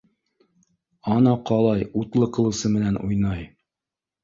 Ана ҡалай утлы ҡылысы менән уйнай!